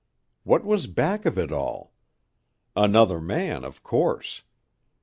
What was back of it all? Another man, of course.